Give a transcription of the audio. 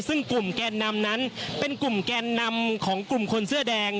ซึ่งกลุ่มแกนนำนั้นเป็นกลุ่มแกนนำของกลุ่มคนเสื้อแดง